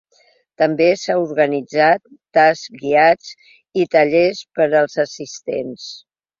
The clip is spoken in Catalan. També s’han organitzat tasts guiats i tallers per als assistents.